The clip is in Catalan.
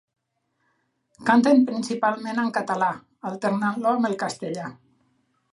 Canten principalment en català, alternant-lo amb el castellà.